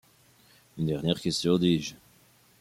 Une dernière question, dis-je